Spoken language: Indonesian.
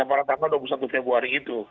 yang pertama dua puluh satu februari itu